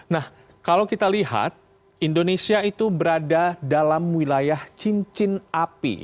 nah kalau kita lihat indonesia itu berada dalam wilayah cincin api